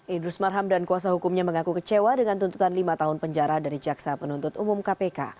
idrus marham dan kuasa hukumnya mengaku kecewa dengan tuntutan lima tahun penjara dari jaksa penuntut umum kpk